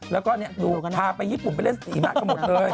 แล้วก็ดูพาไปญี่ปุ่นไปเล่นหิมะกันหมดเลย